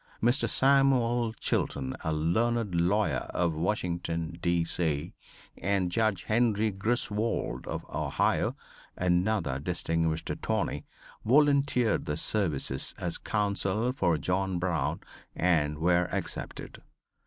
Mr. Samuel Chilton a learned lawyer of Washington, D. C., and Judge Henry Griswold of Ohio, another distinguished attorney, volunteered their services as counsel for John Brown and were accepted.